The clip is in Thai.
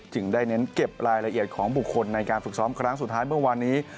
ได้เน้นเก็บรายละเอียดของบุคคลในการฝึกซ้อมครั้งสุดท้ายเมื่อวานนี้